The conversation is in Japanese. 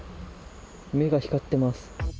目が光ってます。